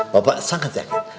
bapak sangat yakin